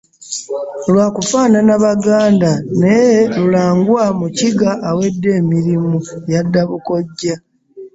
Lwa kufaanana bganda naye Lulangwa mukiga awedde emirimu yadda bukojja.